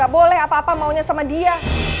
gak boleh apa apa maunya sama dia